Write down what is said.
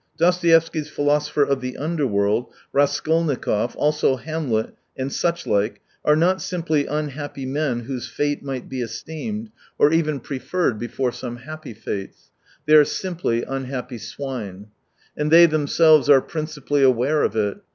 Dostoevsky's philosopher of the under world, Raskolnikov, also Hamlet, and such like, are not simply unhappy men whose fate might be esteemed, or even preferred 70 before some happy fates ; they are siraply unhappy swine. And they themselves are principally aware of it